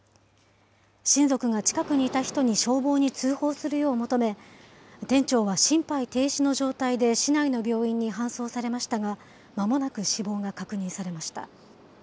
親族が近くにいた人に消防に通報するよう求め、店長は心肺停止の状態で市内の病院に搬送されましたが、間もなく死亡が確認されました。